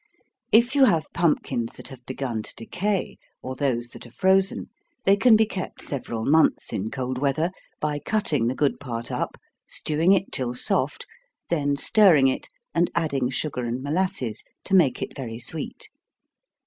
If you have pumpkins that have begun to decay, or those that are frozen, they can be kept several months, in cold weather, by cutting the good part up, stewing it till soft, then stirring it, and adding sugar and molasses, to make it very sweet.